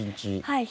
はい。